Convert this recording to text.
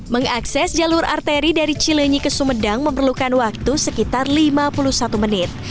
mengakses jalur arteri dari cilenyi ke sumedang memerlukan waktu sekitar lima puluh satu menit